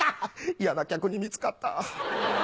嫌な客に見つかった。